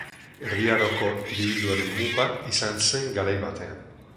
Erdi Aroko hiribilduaren muga izan zen garai batean.